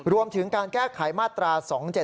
รวมถึงการแก้ไขมาตรา๒๗๒